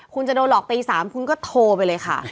คุณจะโดนหลอกตี๓คุณก็โทรไปเลยค่ะ